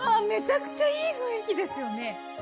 めちゃくちゃいい雰囲気ですよね。